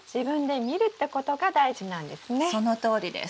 そのとおりです。